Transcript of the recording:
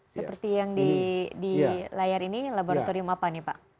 seperti yang di layar ini laboratorium apa nih pak